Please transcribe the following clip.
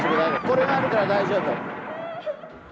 これがあるから大丈夫。